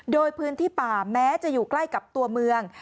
โดยพื้นที่ป่าแม้จะอยู่ใกล้กับตัวเมือง